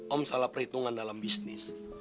om salah perhitungan dalam bisnis